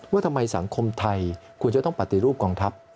ว่าทำไมสังคมไทยควรจะต้องปฏิรูปกองทัพ